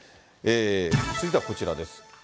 続いてはこちらです。